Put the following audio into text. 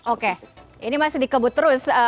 oke ini masih dikebut terus